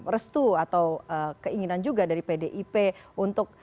restu atau keinginan juga dari pdip untuk